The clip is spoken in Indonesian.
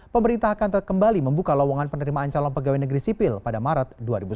pemerintah akan kembali membuka lowongan penerimaan calon pegawai negeri sipil pada maret dua ribu sembilan belas